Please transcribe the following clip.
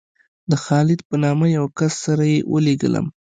د خالد په نامه یو کس سره یې ولېږلم.